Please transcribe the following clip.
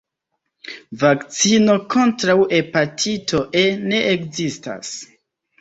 Vakcino kontraŭ hepatito E ne ekzistas.